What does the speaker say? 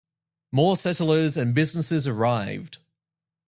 More settlers and businesses arrived.